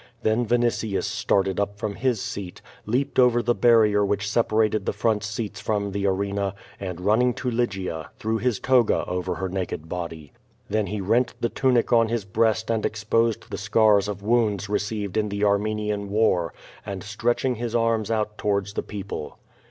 t Then Vinitius started up from his seat, leaped over the bar V rier which separated the front seats from the arena, and, run ^vjiing to Lygia, threw his toga over her naked body. Then he lent the tunic on his breast and exposed the scars of wounds leceived in the Armenian war, and stretched his arms out to wards the people.